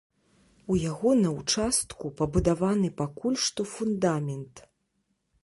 У яго на ўчастку пабудаваны пакуль што фундамент.